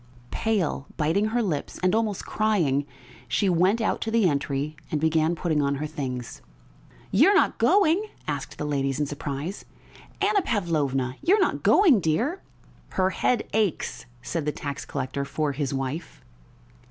Pale, biting her lips, and almost crying, she went out to the entry and began putting on her things. "You are not going?" asked the ladies in surprise. "Anna Pavlovna, you are not going, dear?" "Her head aches," said the tax collector for his wife.